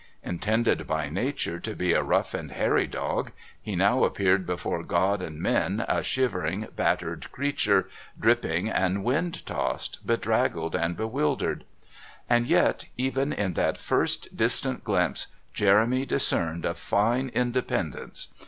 Intended by nature to be a rough and hairy dog, he now appeared before God and men a shivering battered creature, dripping and wind tossed, bedraggled and bewildered. And yet, even in that first distant glimpse, Jeremy discerned a fine independence.